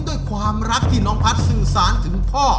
ด้วยความรักที่น้องพัฒน์สื่อสารถึงพ่อ